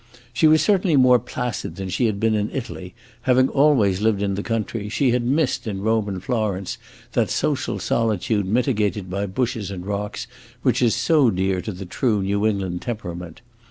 She was certainly more placid than she had been in Italy; having always lived in the country, she had missed in Rome and Florence that social solitude mitigated by bushes and rocks which is so dear to the true New England temperament.